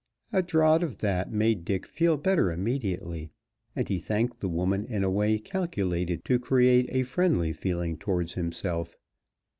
A draught of that made Dick feel better immediately, and he thanked the woman in a way calculated to create a friendly feeling toward himself.